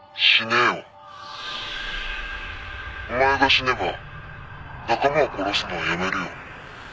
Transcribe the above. お前が死ねば仲間を殺すのはやめるよ。